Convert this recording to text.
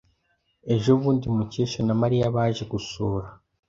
Ejo bundi, Mukesha na Mariya baje gusura.